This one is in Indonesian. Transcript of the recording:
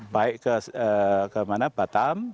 baik ke batam